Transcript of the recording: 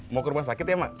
mau ke rumah sakit ya mak